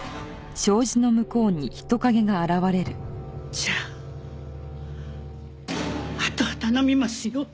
じゃああとは頼みますよ。